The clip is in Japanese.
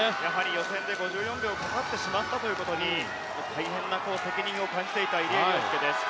予選で５４秒かかってしまったということに大変責任を感じていた入江陵介です。